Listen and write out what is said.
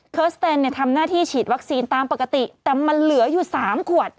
สเตนเนี่ยทำหน้าที่ฉีดวัคซีนตามปกติแต่มันเหลืออยู่๓ขวด